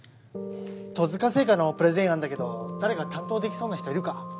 戸塚製菓のプレゼン案だけど誰か担当できそうな人いるか？